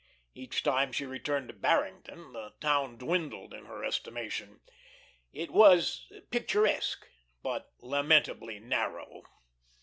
Each time she returned to Barrington the town dwindled in her estimation. It was picturesque, but lamentably narrow.